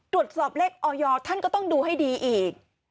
ตรวจสอบเลขออยท่านก็ต้องดูให้ดีอีก